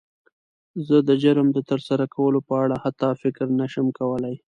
زه د جرم د تر سره کولو په اړه حتی فکر نه شم کولی.